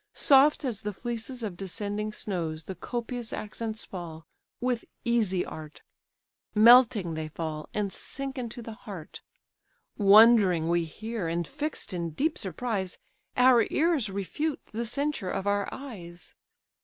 Soft as the fleeces of descending snows, The copious accents fall, with easy art; Melting they fall, and sink into the heart! Wondering we hear, and fix'd in deep surprise, Our ears refute the censure of our eyes."